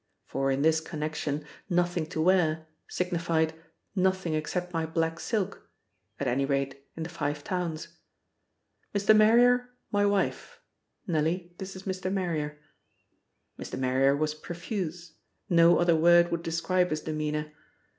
For in this connection "nothing to wear" signified "nothing except my black silk" at any rate, in the Five Towns. "Mr. Marrier my wife. Nellie, this is Mr. Marrier." Mr. Marrier was profuse: no other word would describe his demeanour.